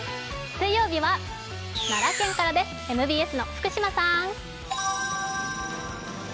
水曜日は奈良県からです、ＭＢＳの福島さん。